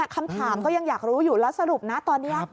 คำถามก็ยังอยากรู้อยู่แล้วสรุปนะตอนนี้